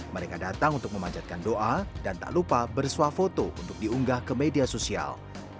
mereka datang untuk memanjatkan doa dan tak lupa bersuah foto untuk diunggah ke media sosial